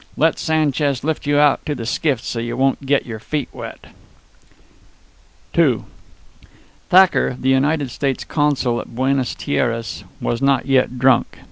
"Let Sanchez lift you out to the skiff so you won't get your feet wet." Thacker, the United States consul at Buenas Tierras, was not yet drunk.